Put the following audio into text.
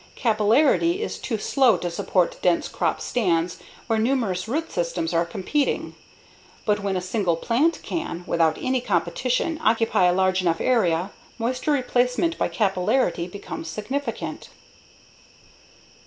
Capillarity is too slow to support dense crop stands where numerous root systems are competing, but when a single plant can, without any competition, occupy a large enough area, moisture replacement by capillarity becomes significant.